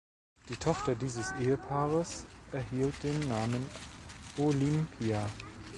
Die Tochter dieses Ehepaares erhielt den Namen Olimpia.